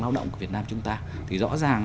lao động của việt nam chúng ta thì rõ ràng